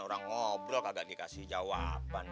orang ngobrol agak dikasih jawaban